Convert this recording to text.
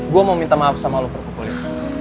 gue mau minta maaf sama lo kerupuk kulit